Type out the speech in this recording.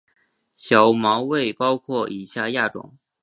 小毛猬包括以下亚种